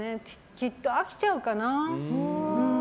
きっと飽きちゃうかな。